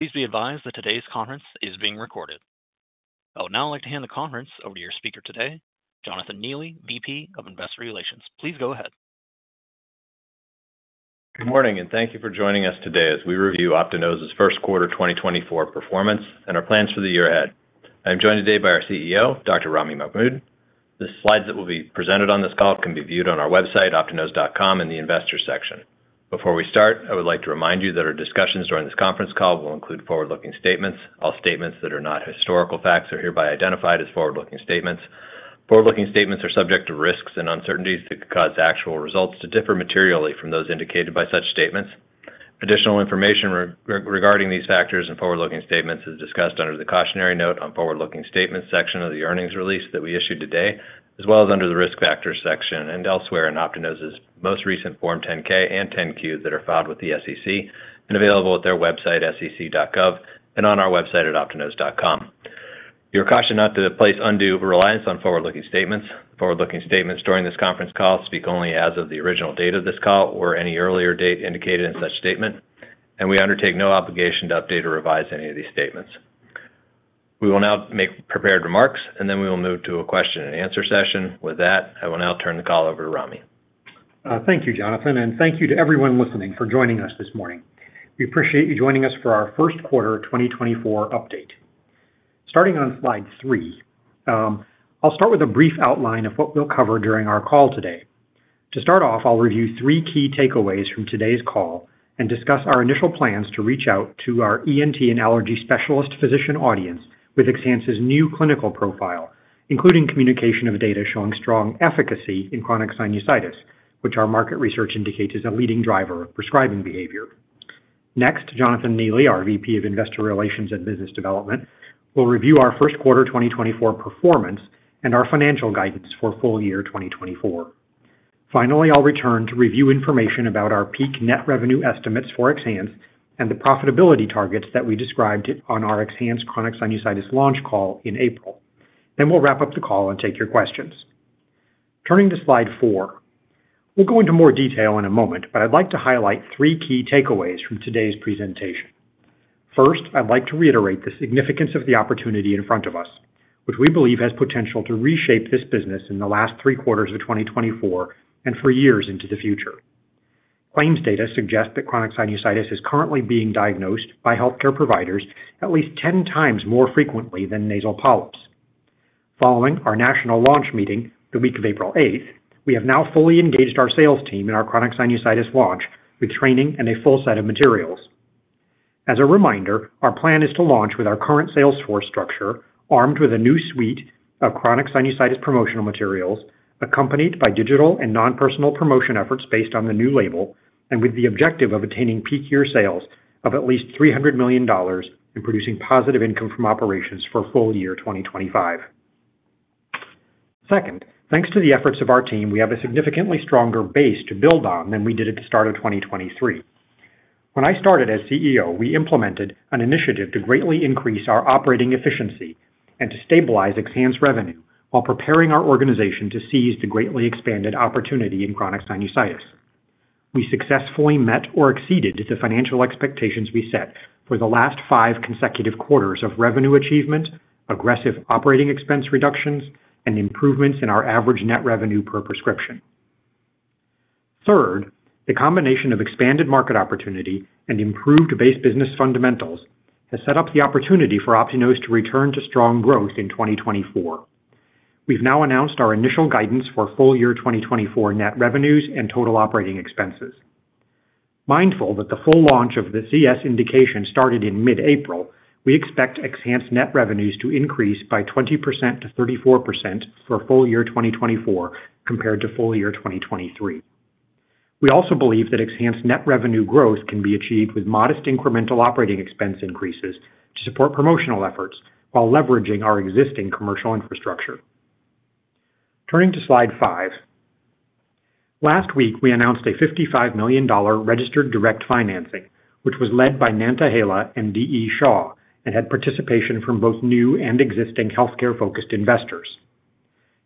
Please be advised that today's conference is being recorded. Oh, now I'd like to hand the conference over to your speaker today, Jonathan Neely, VP of Investor Relations. Please go ahead. Good morning, and thank you for joining us today as we review Optinose's first quarter 2024 performance and our plans for the year ahead. I am joined today by our CEO, Dr. Ramy Mahmoud. The slides that will be presented on this call can be viewed on our website, optinose.com, in the Investors section. Before we start, I would like to remind you that our discussions during this conference call will include forward-looking statements. All statements that are not historical facts are hereby identified as forward-looking statements. Forward-looking statements are subject to risks and uncertainties that could cause actual results to differ materially from those indicated by such statements. Additional information regarding these factors and forward-looking statements is discussed under the cautionary note on the Forward-Looking Statements section of the earnings release that we issued today, as well as under the Risk Factors section and elsewhere in Optinose's most recent Form 10-K and 10-Q that are filed with the SEC and available at their website, sec.gov, and on our website at optinose.com. You are cautioned not to place undue reliance on forward-looking statements. Forward-looking statements during this conference call speak only as of the original date of this call or any earlier date indicated in such statement, and we undertake no obligation to update or revise any of these statements. We will now make prepared remarks, and then we will move to a question-and-answer session. With that, I will now turn the call over to Ramy. Thank you, Jonathan, and thank you to everyone listening for joining us this morning. We appreciate you joining us for our first quarter 2024 update. Starting on slide three, I'll start with a brief outline of what we'll cover during our call today. To start off, I'll review three key takeaways from today's call and discuss our initial plans to reach out to our ENT and allergy specialist physician audience with XHANCE's new clinical profile, including communication of data showing strong efficacy in chronic sinusitis, which our market research indicates is a leading driver of prescribing behavior. Next, Jonathan Neely, our VP of Investor Relations and Business Development, will review our first quarter 2024 performance and our financial guidance for full year 2024. Finally, I'll return to review information about our peak net revenue estimates for XHANCE and the profitability targets that we described on our XHANCE Chronic Sinusitis launch call in April. Then we'll wrap up the call and take your questions. Turning to slide four, we'll go into more detail in a moment, but I'd like to highlight three key takeaways from today's presentation. First, I'd like to reiterate the significance of the opportunity in front of us, which we believe has potential to reshape this business in the last three quarters of 2024 and for years into the future. Claims data suggest that Chronic Sinusitis is currently being diagnosed by healthcare providers at least 10x more frequently than Nasal Polyps. Following our national launch meeting, the week of April 8th, we have now fully engaged our sales team in our chronic sinusitis launch with training and a full set of materials. As a reminder, our plan is to launch with our current sales force structure armed with a new suite of chronic sinusitis promotional materials, accompanied by digital and non-personal promotion efforts based on the new label, and with the objective of attaining peak year sales of at least $300 million and producing positive income from operations for full year 2025. Second, thanks to the efforts of our team, we have a significantly stronger base to build on than we did at the start of 2023. When I started as CEO, we implemented an initiative to greatly increase our operating efficiency and to stabilize XHANCE's revenue while preparing our organization to seize the greatly expanded opportunity in chronic sinusitis. We successfully met or exceeded the financial expectations we set for the last five consecutive quarters of revenue achievement, aggressive operating expense reductions, and improvements in our average net revenue per prescription. Third, the combination of expanded market opportunity and improved base business fundamentals has set up the opportunity for Optinose to return to strong growth in 2024. We've now announced our initial guidance for full year 2024 net revenues and total operating expenses. Mindful that the full launch of the CS indication started in mid-April, we expect XHANCE's net revenues to increase by 20%-34% for full year 2024 compared to full year 2023. We also believe that XHANCE's net revenue growth can be achieved with modest incremental operating expense increases to support promotional efforts while leveraging our existing commercial infrastructure. Turning to slide five, last week we announced a $55 million registered direct financing, which was led by Nantahala and D.E. Shaw and had participation from both new and existing healthcare-focused investors.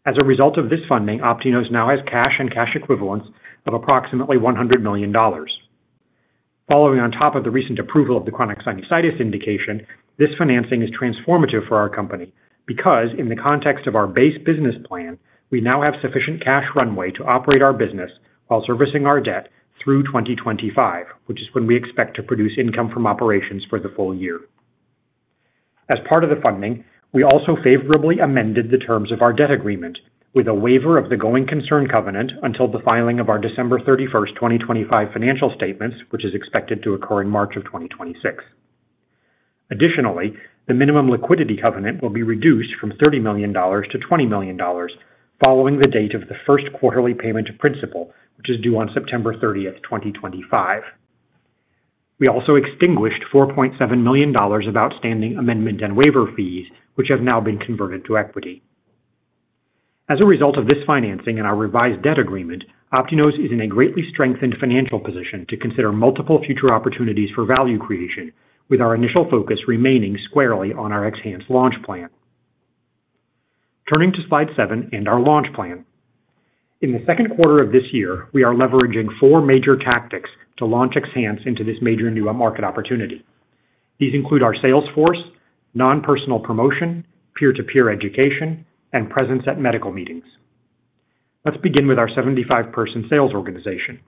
As a result of this funding, Optinose now has cash and cash equivalents of approximately $100 million. Following on top of the recent approval of the chronic sinusitis indication, this financing is transformative for our company because, in the context of our base business plan, we now have sufficient cash runway to operate our business while servicing our debt through 2025, which is when we expect to produce income from operations for the full year. As part of the funding, we also favorably amended the terms of our debt agreement with a waiver of the Going Concern Covenant until the filing of our December 31st, 2025, financial statements, which is expected to occur in March of 2026. Additionally, the minimum liquidity covenant will be reduced from $30 million to $20 million following the date of the first quarterly payment of principal, which is due on September 30th, 2025. We also extinguished $4.7 million of outstanding amendment and waiver fees, which have now been converted to equity. As a result of this financing and our revised debt agreement, Optinose is in a greatly strengthened financial position to consider multiple future opportunities for value creation, with our initial focus remaining squarely on our XHANCE launch plan. Turning to slide seven and our launch plan, in the second quarter of this year, we are leveraging four major tactics to launch XHANCE into this major new market opportunity. These include our sales force, non-personal promotion, peer-to-peer education, and presence at medical meetings. Let's begin with our 75-person sales organization.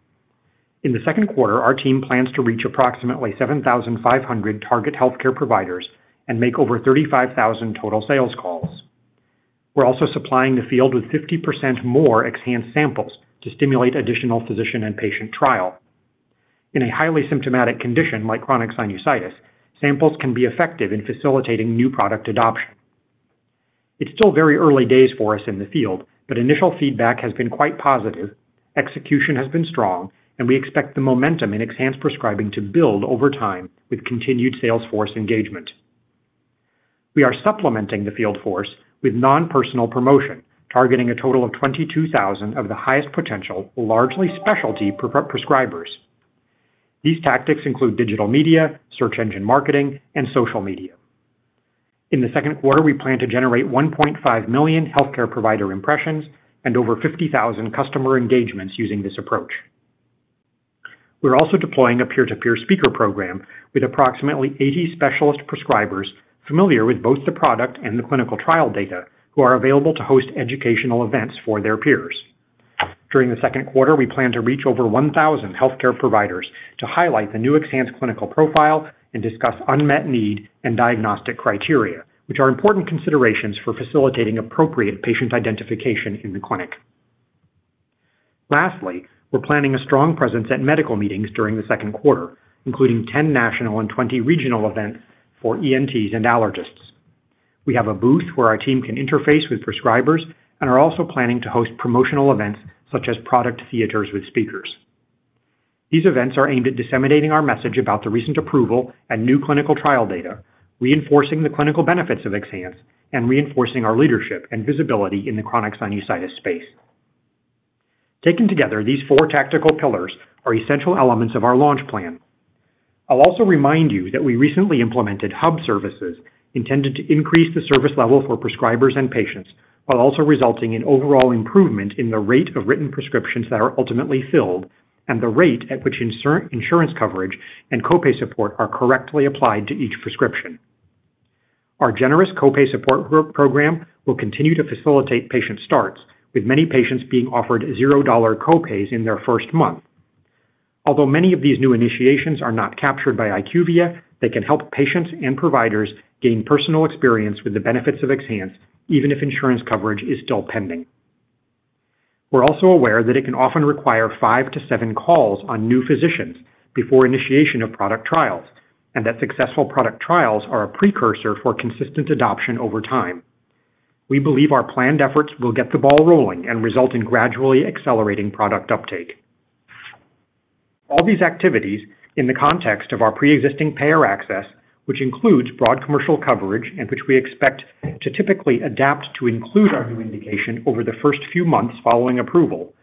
In the second quarter, our team plans to reach approximately 7,500 target healthcare providers and make over 35,000 total sales calls. We're also supplying the field with 50% more XHANCE samples to stimulate additional physician and patient trial. In a highly symptomatic condition like chronic sinusitis, samples can be effective in facilitating new product adoption. It's still very early days for us in the field, but initial feedback has been quite positive, execution has been strong, and we expect the momentum in XHANCE prescribing to build over time with continued sales force engagement. We are supplementing the field force with non-personal promotion, targeting a total of 22,000 of the highest potential, largely specialty prescribers. These tactics include digital media, search engine marketing, and social media. In the second quarter, we plan to generate 1.5 million healthcare provider impressions and over 50,000 customer engagements using this approach. We're also deploying a peer-to-peer speaker program with approximately 80 specialist prescribers familiar with both the product and the clinical trial data who are available to host educational events for their peers. During the second quarter, we plan to reach over 1,000 healthcare providers to highlight the new XHANCE clinical profile and discuss unmet need and diagnostic criteria, which are important considerations for facilitating appropriate patient identification in the clinic. Lastly, we're planning a strong presence at medical meetings during the second quarter, including 10 national and 20 regional events for ENTs and allergists. We have a booth where our team can interface with prescribers and are also planning to host promotional events such as product theatres with speakers. These events are aimed at disseminating our message about the recent approval and new clinical trial data, reinforcing the clinical benefits of XHANCE, and reinforcing our leadership and visibility in the chronic sinusitis space. Taken together, these four tactical pillars are essential elements of our launch plan. I'll also remind you that we recently implemented hub services intended to increase the service level for prescribers and patients while also resulting in overall improvement in the rate of written prescriptions that are ultimately filled and the rate at which insurance coverage and copay support are correctly applied to each prescription. Our generous copay support program will continue to facilitate patient starts, with many patients being offered $0 copays in their first month. Although many of these new initiations are not captured by IQVIA, they can help patients and providers gain personal experience with the benefits of XHANCE even if insurance coverage is still pending. We're also aware that it can often require five to seven calls on new physicians before initiation of product trials and that successful product trials are a precursor for consistent adoption over time. We believe our planned efforts will get the ball rolling and result in gradually accelerating product uptake. All these activities, in the context of our pre-existing payer access, which includes broad commercial coverage and which we expect to typically adapt to include our new indication over the first few months following approval,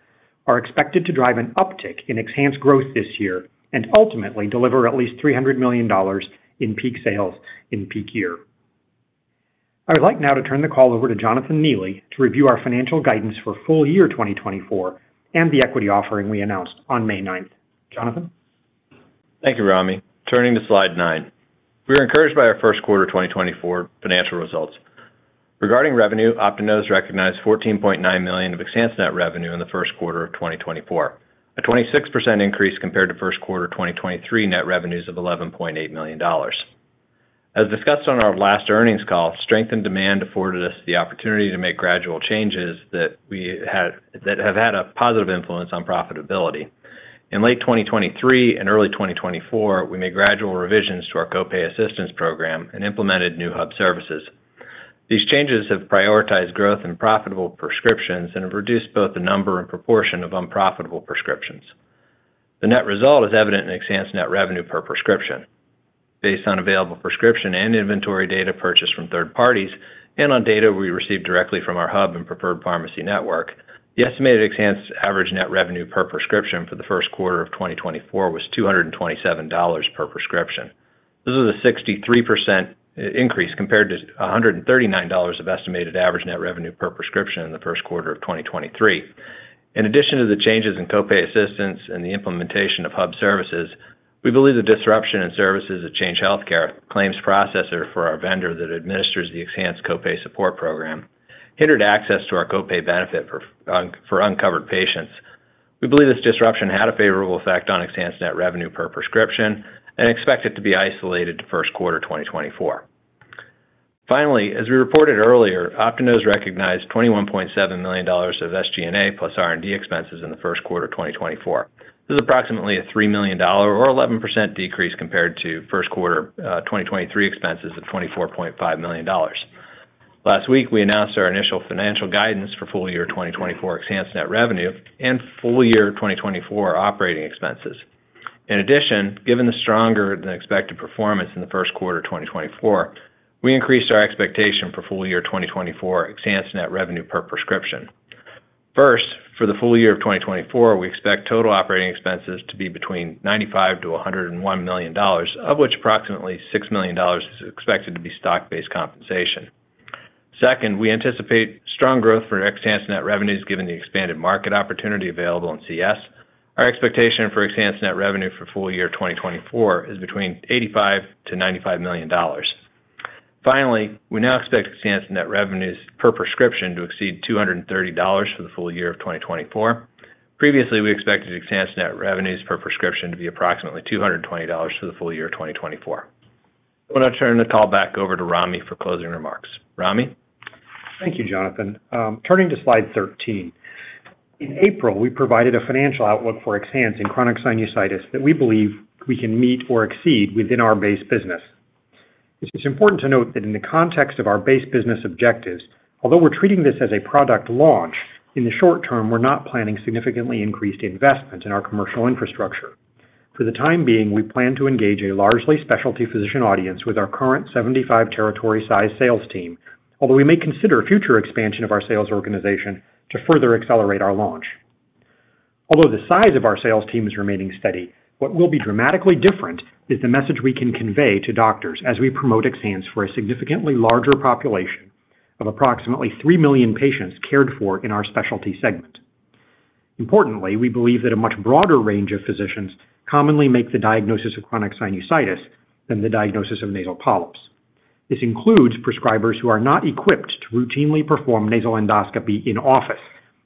are expected to drive an uptick in XHANCE's growth this year and ultimately deliver at least $300 million in peak sales in peak year. I would like now to turn the call over to Jonathan Neely to review our financial guidance for full year 2024 and the equity offering we announced on May 9th. Jonathan? Thank you, Ramy. Turning to slide nine, we are encouraged by our first quarter 2024 financial results. Regarding revenue, Optinose recognized $14.9 million of XHANCE's net revenue in the first quarter of 2024, a 26% increase compared to first quarter 2023 net revenues of $11.8 million. As discussed on our last earnings call, strengthened demand afforded us the opportunity to make gradual changes that have had a positive influence on profitability. In late 2023 and early 2024, we made gradual revisions to our copay assistance program and implemented new hub services. These changes have prioritized growth in profitable prescriptions and have reduced both the number and proportion of unprofitable prescriptions. The net result is evident in XHANCE's net revenue per prescription. Based on available prescription and inventory data purchased from third parties and on data we received directly from our hub and preferred pharmacy network, the estimated XHANCE's average net revenue per prescription for the first quarter of 2024 was $227 per prescription. This was a 63% increase compared to $139 of estimated average net revenue per prescription in the first quarter of 2023. In addition to the changes in copay assistance and the implementation of hub services, we believe the disruption in services at Change Healthcare, a claims processor for our vendor that administers the XHANCE copay support program, hindered access to our copay benefit for uncovered patients. We believe this disruption had a favorable effect on XHANCE's net revenue per prescription and expect it to be isolated to first quarter 2024. Finally, as we reported earlier, Optinose recognized $21.7 million of SG&A plus R&D expenses in the first quarter 2024. This is approximately a $3 million or 11% decrease compared to first quarter 2023 expenses of $24.5 million. Last week, we announced our initial financial guidance for full year 2024 XHANCE's net revenue and full year 2024 operating expenses. In addition, given the stronger-than-expected performance in the first quarter 2024, we increased our expectation for full year 2024 XHANCE's net revenue per prescription. First, for the full year of 2024, we expect total operating expenses to be between $95 million-$101 million, of which approximately $6 million is expected to be stock-based compensation. Second, we anticipate strong growth for XHANCE's net revenues given the expanded market opportunity available in CS. Our expectation for XHANCE's net revenue for full year 2024 is between $85 million-$95 million. Finally, we now expect XHANCE's net revenues per prescription to exceed $230 million for the full year of 2024. Previously, we expected XHANCE's net revenues per prescription to be approximately $220 million for the full year of 2024. I want to turn the call back over to Ramy for closing remarks. Ramy? Thank you, Jonathan. Turning to slide 13, in April, we provided a financial outlook for XHANCE's in Chronic Sinusitis that we believe we can meet or exceed within our base business. It's important to note that in the context of our base business objectives, although we're treating this as a product launch, in the short term, we're not planning significantly increased investment in our commercial infrastructure. For the time being, we plan to engage a largely specialty physician audience with our current 75-territory-sized sales team, although we may consider future expansion of our sales organization to further accelerate our launch. Although the size of our sales team is remaining steady, what will be dramatically different is the message we can convey to doctors as we promote XHANCE's for a significantly larger population of approximately 3 million patients cared for in our specialty segment. Importantly, we believe that a much broader range of physicians commonly make the diagnosis of chronic sinusitis than the diagnosis of nasal polyps. This includes prescribers who are not equipped to routinely perform nasal endoscopy in office,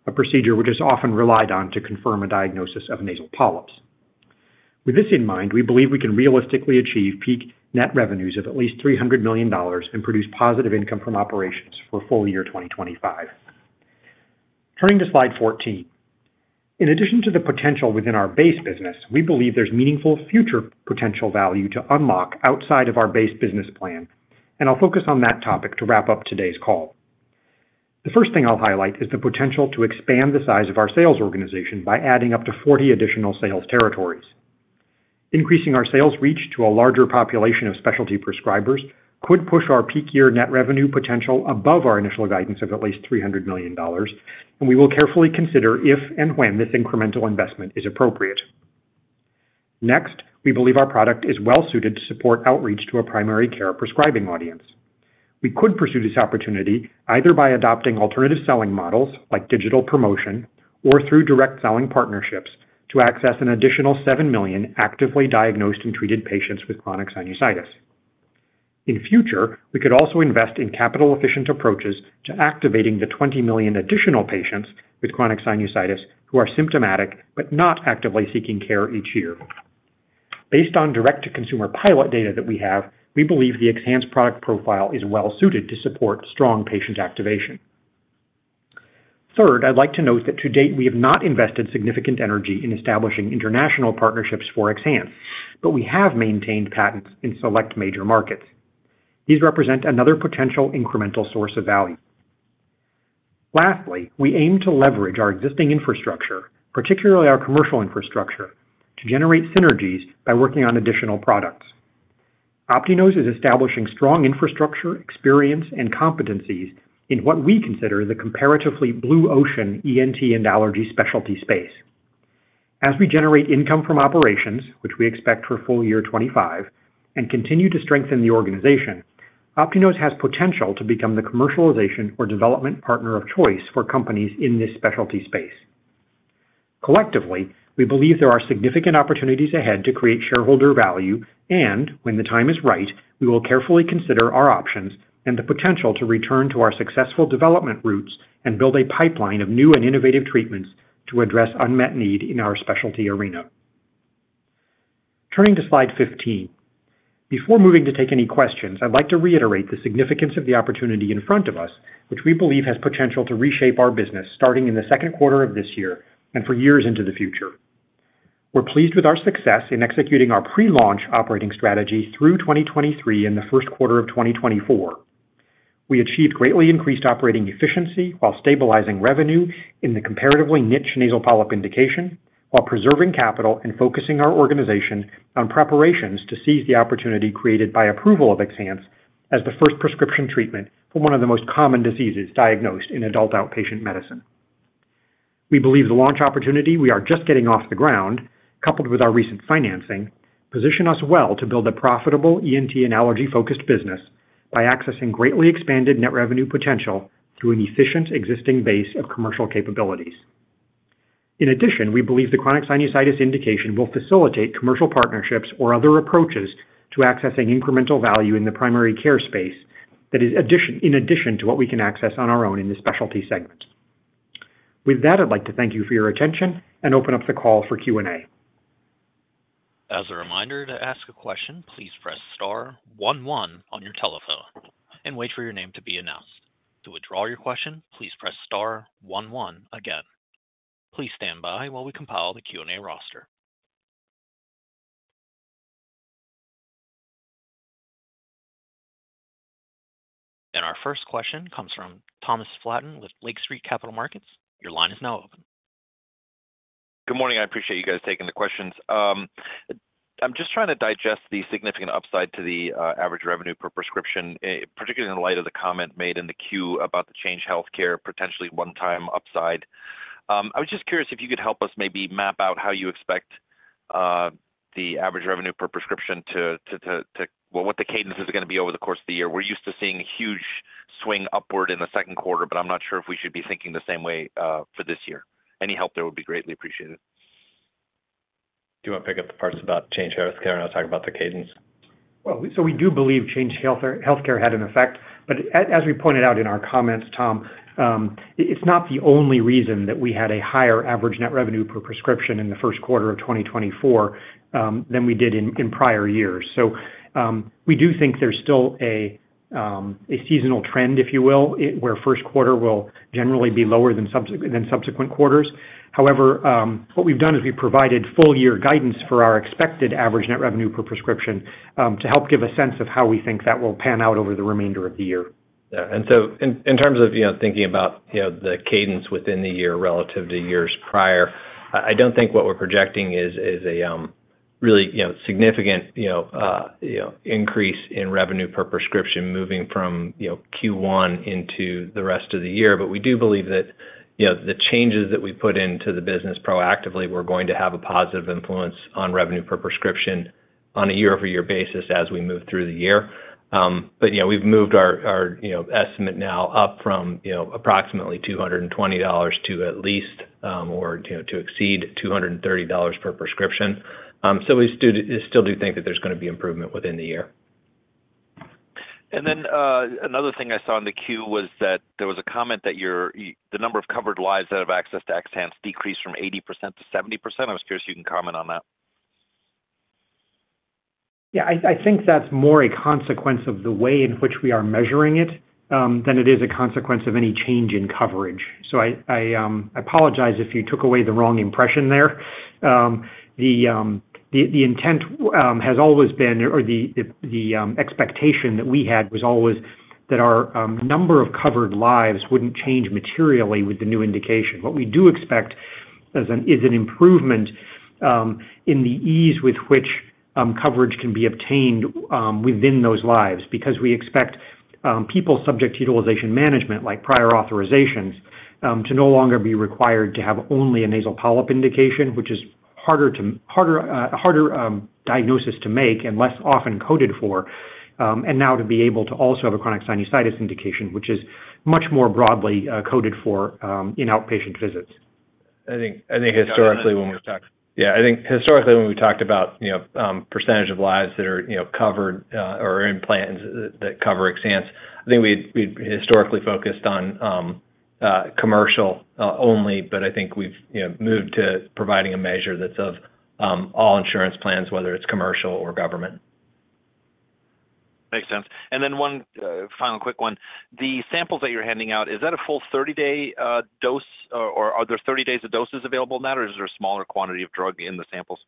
a procedure which is often relied on to confirm a diagnosis of nasal polyps. With this in mind, we believe we can realistically achieve peak net revenues of at least $300 million and produce positive income from operations for full year 2025. Turning to slide 14, in addition to the potential within our base business, we believe there's meaningful future potential value to unlock outside of our base business plan, and I'll focus on that topic to wrap up today's call. The first thing I'll highlight is the potential to expand the size of our sales organization by adding up to 40 additional sales territories. Increasing our sales reach to a larger population of specialty prescribers could push our peak year net revenue potential above our initial guidance of at least $300 million, and we will carefully consider if and when this incremental investment is appropriate. Next, we believe our product is well-suited to support outreach to a primary care prescribing audience. We could pursue this opportunity either by adopting alternative selling models like digital promotion or through direct selling partnerships to access an additional 7 million actively diagnosed and treated patients with chronic sinusitis. In future, we could also invest in capital-efficient approaches to activating the 20 million additional patients with chronic sinusitis who are symptomatic but not actively seeking care each year. Based on direct-to-consumer pilot data that we have, we believe the XHANCE product profile is well-suited to support strong patient activation. Third, I'd like to note that to date, we have not invested significant energy in establishing international partnerships for XHANCE's, but we have maintained patents in select major markets. These represent another potential incremental source of value. Lastly, we aim to leverage our existing infrastructure, particularly our commercial infrastructure, to generate synergies by working on additional products. Optinose is establishing strong infrastructure, experience, and competencies in what we consider the comparatively blue ocean ENT and allergy specialty space. As we generate income from operations, which we expect for full year 2025, and continue to strengthen the organization, Optinose has potential to become the commercialization or development partner of choice for companies in this specialty space. Collectively, we believe there are significant opportunities ahead to create shareholder value and, when the time is right, we will carefully consider our options and the potential to return to our successful development routes and build a pipeline of new and innovative treatments to address unmet need in our specialty arena. Turning to slide 15, before moving to take any questions, I'd like to reiterate the significance of the opportunity in front of us, which we believe has potential to reshape our business starting in the second quarter of this year and for years into the future. We're pleased with our success in executing our pre-launch operating strategy through 2023 and the first quarter of 2024. We achieved greatly increased operating efficiency while stabilizing revenue in the comparatively niche nasal polyp indication, while preserving capital and focusing our organization on preparations to seize the opportunity created by approval of XHANCE as the first prescription treatment for one of the most common diseases diagnosed in adult outpatient medicine. We believe the launch opportunity we are just getting off the ground, coupled with our recent financing, position us well to build a profitable ENT and allergy-focused business by accessing greatly expanded net revenue potential through an efficient existing base of commercial capabilities. In addition, we believe the chronic sinusitis indication will facilitate commercial partnerships or other approaches to accessing incremental value in the primary care space in addition to what we can access on our own in this specialty segment. With that, I'd like to thank you for your attention and open up the call for Q&A. As a reminder to ask a question, please press star one one on your telephone and wait for your name to be announced. To withdraw your question, please press star one one again. Please stand by while we compile the Q&A roster. Our first question comes from Thomas Flaten with Lake Street Capital Markets. Your line is now open. Good morning. I appreciate you guys taking the questions. I'm just trying to digest the significant upside to the average revenue per prescription, particularly in light of the comment made in the Q about the Change Healthcare potentially one-time upside. I was just curious if you could help us maybe map out how you expect the average revenue per prescription to - well, what the cadence is going to be over the course of the year. We're used to seeing a huge swing upward in the second quarter, but I'm not sure if we should be thinking the same way for this year. Any help there would be greatly appreciated. Do you want to pick up the parts about Change Healthcare and I'll talk about the cadence? Well, so we do believe Change Healthcare had an effect. But as we pointed out in our comments, Tom, it's not the only reason that we had a higher average net revenue per prescription in the first quarter of 2024 than we did in prior years. So we do think there's still a seasonal trend, if you will, where first quarter will generally be lower than subsequent quarters. However, what we've done is we've provided full-year guidance for our expected average net revenue per prescription to help give a sense of how we think that will pan out over the remainder of the year. Yeah. And so in terms of thinking about the cadence within the year relative to years prior, I don't think what we're projecting is a really significant increase in revenue per prescription moving from Q1 into the rest of the year. But we do believe that the changes that we put into the business proactively were going to have a positive influence on revenue per prescription on a year-over-year basis as we move through the year. But we've moved our estimate now up from approximately $220 to at least or to exceed $230 per prescription. So we still do think that there's going to be improvement within the year. Another thing I saw in the queue was that there was a comment that the number of covered lives that have access to XHANCE's decreased from 80% to 70%. I was curious if you can comment on that. Yeah. I think that's more a consequence of the way in which we are measuring it than it is a consequence of any change in coverage. So I apologize if you took away the wrong impression there. The intent has always been or the expectation that we had was always that our number of covered lives wouldn't change materially with the new indication. What we do expect is an improvement in the ease with which coverage can be obtained within those lives because we expect people subject to utilization management, like prior authorizations, to no longer be required to have only a nasal polyp indication, which is a harder diagnosis to make and less often coded for, and now to be able to also have a chronic sinusitis indication, which is much more broadly coded for in outpatient visits. I think historically, when we've talked about percentage of lives that are covered or plans that cover XHANCE's, I think we'd historically focused on commercial only. But I think we've moved to providing a measure that's of all insurance plans, whether it's commercial or government. Makes sense. And then one final quick one. The samples that you're handing out, is that a full 30-day dose? Or are there 30 days of doses available in that, or is there a smaller quantity of drug in the samples?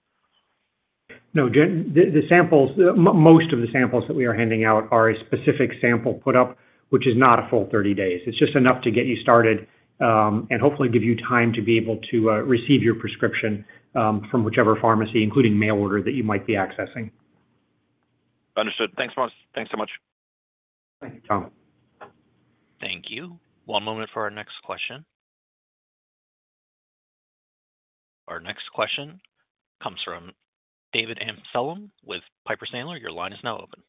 No. Most of the samples that we are handing out are a specific sample put-up, which is not a full 30 days. It's just enough to get you started and hopefully give you time to be able to receive your prescription from whichever pharmacy, including mail order, that you might be accessing. Understood. Thanks so much. Thank you, Tom. Thank you. One moment for our next question. Our next question comes from David Amsellem with Piper Sandler. Your line is now open.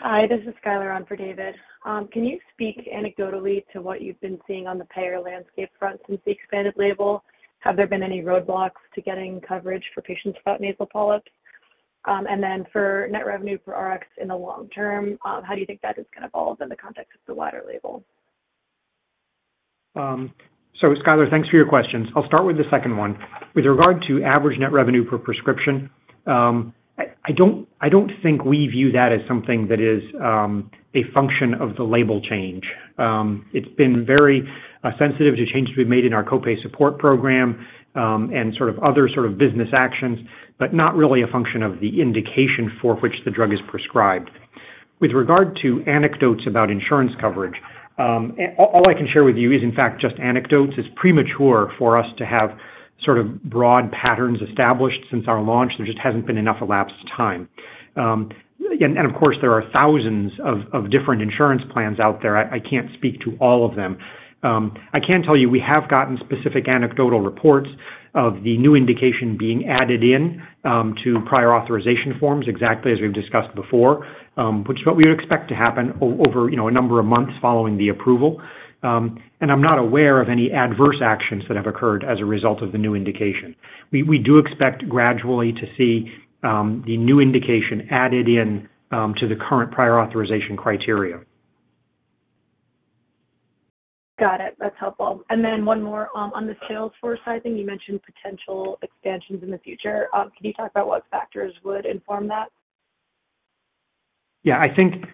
Hi. This is Schuyler on for David. Can you speak anecdotally to what you've been seeing on the payer landscape front since the expanded label? Have there been any roadblocks to getting coverage for patients without nasal polyps? And then for net revenue per Rx in the long term, how do you think that is going to evolve in the context of the wider label? So, Schuyler, thanks for your questions. I'll start with the second one. With regard to average net revenue per prescription, I don't think we view that as something that is a function of the label change. It's been very sensitive to changes we've made in our copay support program and sort of other sort of business actions, but not really a function of the indication for which the drug is prescribed. With regard to anecdotes about insurance coverage, all I can share with you is, in fact, just anecdotes. It's premature for us to have sort of broad patterns established since our launch. There just hasn't been enough elapsed time. And of course, there are thousands of different insurance plans out there. I can't speak to all of them. I can tell you we have gotten specific anecdotal reports of the new indication being added in to prior authorization forms exactly as we've discussed before, which is what we would expect to happen over a number of months following the approval. I'm not aware of any adverse actions that have occurred as a result of the new indication. We do expect gradually to see the new indication added in to the current prior authorization criteria. Got it. That's helpful. And then one more on the sales force thing. You mentioned potential expansions in the future. Can you talk about what factors would inform that? Yeah. I think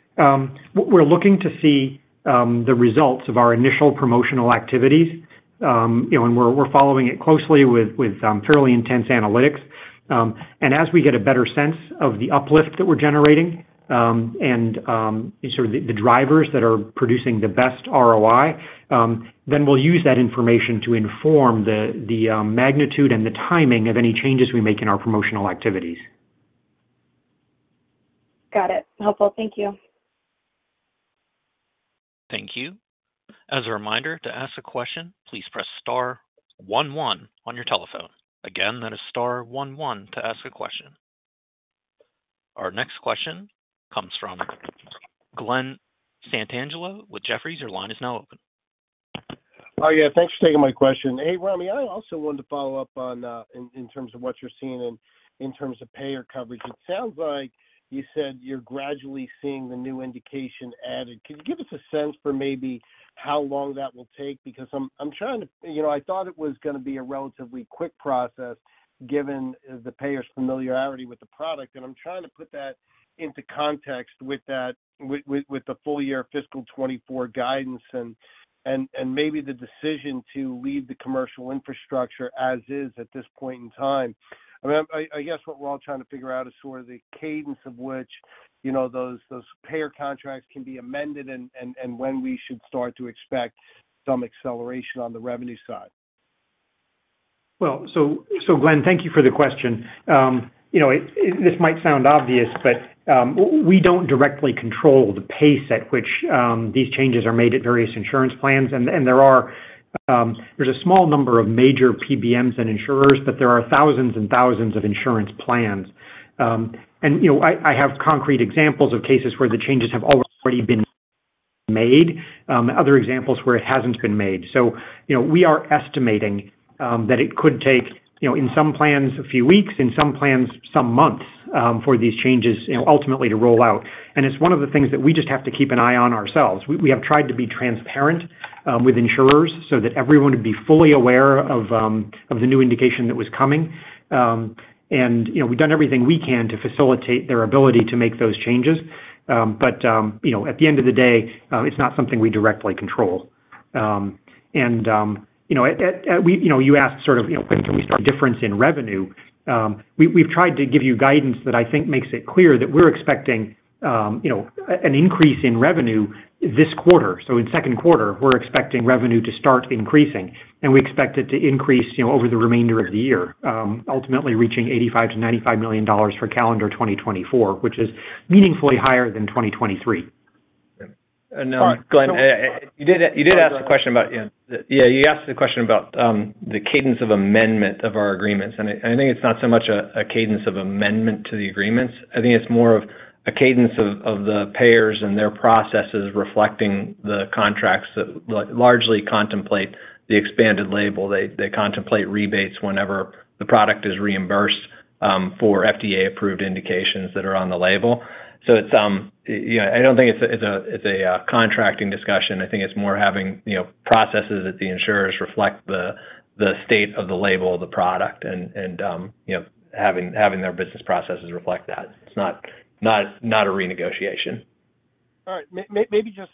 we're looking to see the results of our initial promotional activities. We're following it closely with fairly intense analytics. As we get a better sense of the uplift that we're generating and sort of the drivers that are producing the best ROI, then we'll use that information to inform the magnitude and the timing of any changes we make in our promotional activities. Got it. Helpful. Thank you. Thank you. As a reminder, to ask a question, please press star one one on your telephone. Again, that is star one one to ask a question. Our next question comes from Glenn Santangelo with Jefferies. Your line is now open. Oh, yeah. Thanks for taking my question. Hey, Ramy, I also wanted to follow up in terms of what you're seeing in terms of payer coverage. It sounds like you said you're gradually seeing the new indication added. Can you give us a sense for maybe how long that will take? Because I'm trying to—I thought it was going to be a relatively quick process given the payer's familiarity with the product. And I'm trying to put that into context with the full-year fiscal 2024 guidance and maybe the decision to leave the commercial infrastructure as is at this point in time. I mean, I guess what we're all trying to figure out is sort of the cadence of which those payer contracts can be amended and when we should start to expect some acceleration on the revenue side. Well, so Glenn, thank you for the question. This might sound obvious, but we don't directly control the pace at which these changes are made at various insurance plans. And there's a small number of major PBMs and insurers, but there are thousands and thousands of insurance plans. And I have concrete examples of cases where the changes have already been made, other examples where it hasn't been made. So we are estimating that it could take, in some plans, a few weeks, in some plans, some months for these changes ultimately to roll out. And it's one of the things that we just have to keep an eye on ourselves. We have tried to be transparent with insurers so that everyone would be fully aware of the new indication that was coming. And we've done everything we can to facilitate their ability to make those changes. At the end of the day, it's not something we directly control. You asked sort of when can we start. Difference in revenue, we've tried to give you guidance that I think makes it clear that we're expecting an increase in revenue this quarter. In second quarter, we're expecting revenue to start increasing. We expect it to increase over the remainder of the year, ultimately reaching $85 million-$95 million for calendar 2024, which is meaningfully higher than 2023. Glenn, you did ask a question about, yeah, you asked the question about the cadence of amendment of our agreements. I think it's not so much a cadence of amendment to the agreements. I think it's more of a cadence of the payers and their processes reflecting the contracts that largely contemplate the expanded label. They contemplate rebates whenever the product is reimbursed for FDA-approved indications that are on the label. I don't think it's a contracting discussion. I think it's more having processes at the insurers reflect the state of the label of the product and having their business processes reflect that. It's not a renegotiation. All right. Maybe just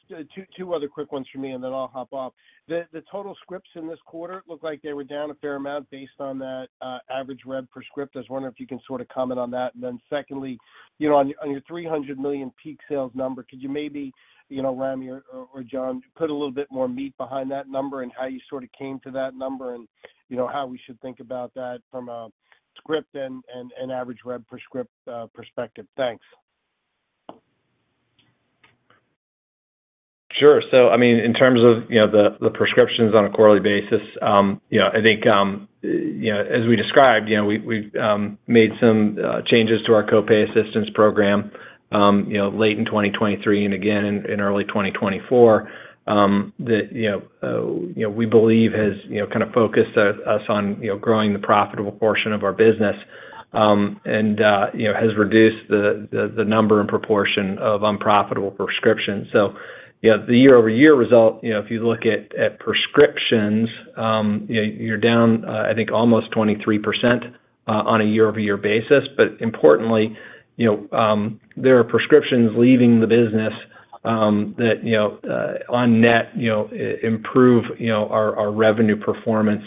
two other quick ones from me, and then I'll hop off. The total scripts in this quarter look like they were down a fair amount based on that average rev per script. I was wondering if you can sort of comment on that. And then secondly, on your $300 million peak sales number, could you maybe, Ramy or Jonathan, put a little bit more meat behind that number and how you sort of came to that number and how we should think about that from a script and average rev per script perspective? Thanks. Sure. So I mean, in terms of the prescriptions on a quarterly basis, I think as we described, we've made some changes to our copay assistance program late in 2023 and again in early 2024 that we believe has kind of focused us on growing the profitable portion of our business and has reduced the number and proportion of unprofitable prescriptions. So the year-over-year result, if you look at prescriptions, you're down, I think, almost 23% on a year-over-year basis. But importantly, there are prescriptions leaving the business that, on net, improve our revenue performance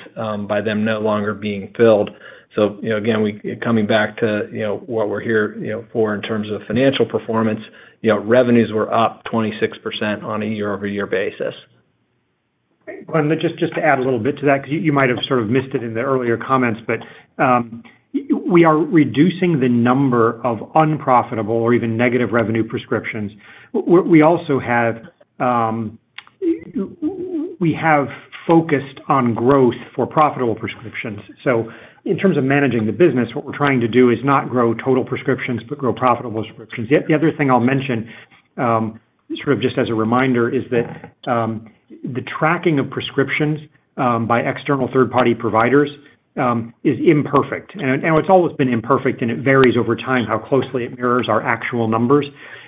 by them no longer being filled. So again, coming back to what we're here for in terms of financial performance, revenues were up 26% on a year-over-year basis. Okay. Glenn, just to add a little bit to that because you might have sort of missed it in the earlier comments, but we are reducing the number of unprofitable or even negative revenue prescriptions. We also have focused on growth for profitable prescriptions. So in terms of managing the business, what we're trying to do is not grow total prescriptions but grow profitable prescriptions. The other thing I'll mention sort of just as a reminder is that the tracking of prescriptions by external third-party providers is imperfect. And it's always been imperfect, and it varies over time how closely it mirrors our actual numbers.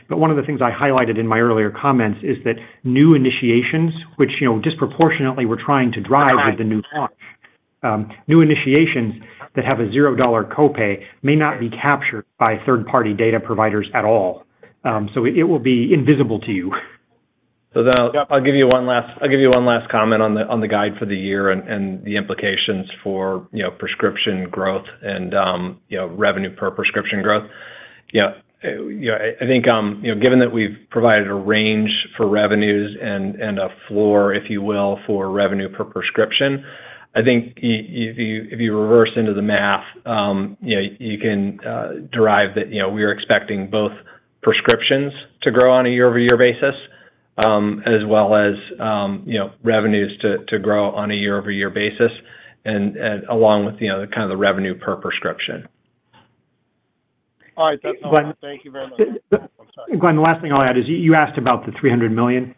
But one of the things I highlighted in my earlier comments is that new initiations, which disproportionately we're trying to drive with the new launch, new initiations that have a $0 copay may not be captured by third-party data providers at all. It will be invisible to you. So I'll give you one last comment on the guide for the year and the implications for prescription growth and revenue per prescription growth. I think given that we've provided a range for revenues and a floor, if you will, for revenue per prescription, I think if you reverse into the math, you can derive that we are expecting both prescriptions to grow on a year-over-year basis as well as revenues to grow on a year-over-year basis along with kind of the revenue per prescription. All right. That's all. Thank you very much. I'm sorry. Glenn, the last thing I'll add is you asked about the $300 million.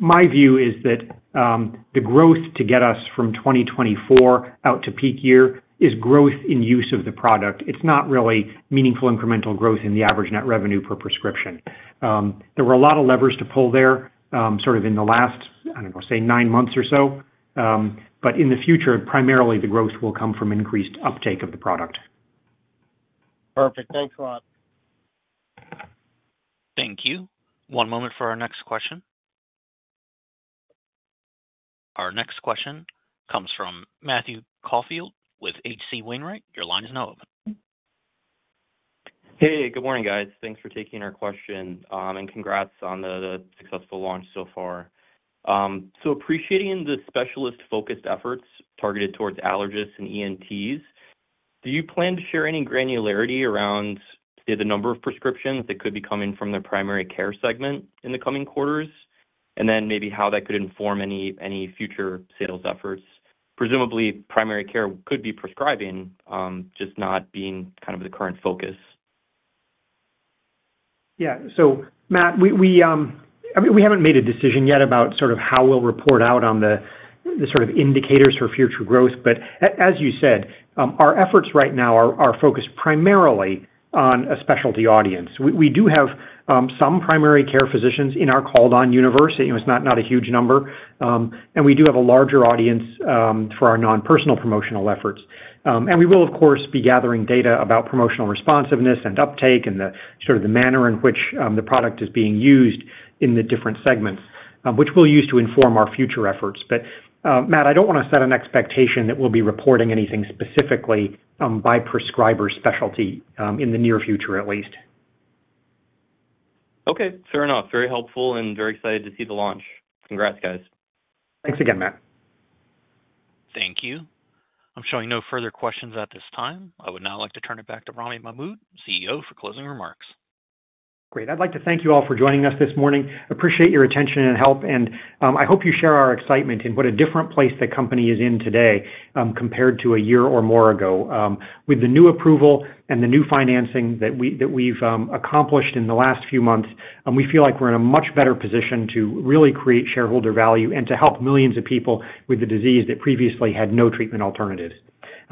My view is that the growth to get us from 2024 out to peak year is growth in use of the product. It's not really meaningful incremental growth in the average net revenue per prescription. There were a lot of levers to pull there sort of in the last, I don't know, say, nine months or so. But in the future, primarily, the growth will come from increased uptake of the product. Perfect. Thanks, Ramy. Thank you. One moment for our next question. Our next question comes from Matthew Caufield with H.C. Wainwright. Your line is now open. Hey. Good morning, guys. Thanks for taking our question. Congrats on the successful launch so far. So, appreciating the specialist-focused efforts targeted towards allergists and ENTs, do you plan to share any granularity around, say, the number of prescriptions that could be coming from their primary care segment in the coming quarters and then maybe how that could inform any future sales efforts? Presumably, primary care could be prescribing, just not being kind of the current focus. Yeah. So Matt, I mean, we haven't made a decision yet about sort of how we'll report out on the sort of indicators for future growth. But as you said, our efforts right now are focused primarily on a specialty audience. We do have some primary care physicians in our called-on universe. It's not a huge number. And we do have a larger audience for our nonpersonal promotional efforts. And we will, of course, be gathering data about promotional responsiveness and uptake and sort of the manner in which the product is being used in the different segments, which we'll use to inform our future efforts. But Matt, I don't want to set an expectation that we'll be reporting anything specifically by prescriber specialty in the near future, at least. Okay. Fair enough. Very helpful and very excited to see the launch. Congrats, guys. Thanks again, Matt. Thank you. I'm showing no further questions at this time. I would now like to turn it back to Ramy Mahmoud, CEO, for closing remarks. Great. I'd like to thank you all for joining us this morning. Appreciate your attention and help. I hope you share our excitement in what a different place the company is in today compared to a year or more ago. With the new approval and the new financing that we've accomplished in the last few months, we feel like we're in a much better position to really create shareholder value and to help millions of people with the disease that previously had no treatment alternative.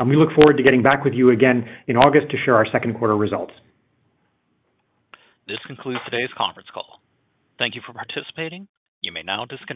We look forward to getting back with you again in August to share our second-quarter results. This concludes today's conference call. Thank you for participating. You may now disconnect.